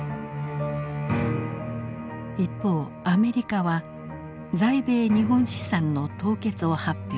一方アメリカは在米日本資産の凍結を発表。